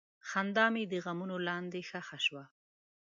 خندا مې د غمونو لاندې ښخ شوه.